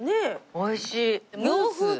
おいしい。